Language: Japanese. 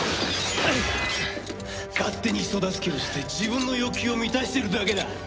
勝手に人助けをして自分の欲求を満たしてるだけだ。